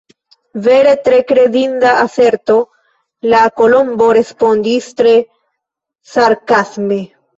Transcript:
"Vere tre kredinda aserto!" la Kolombo respondis tre sarkasme. "